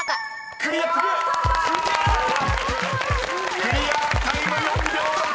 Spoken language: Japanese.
［クリアタイム４秒６６］